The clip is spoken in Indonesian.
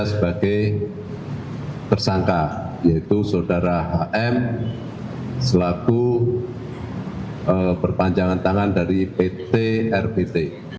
sebagai tersangka yaitu saudara hm selaku perpanjangan tangan dari pt rpt